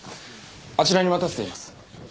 あちらに待たせています